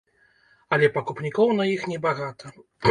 Але пакупнікоў на іх небагата.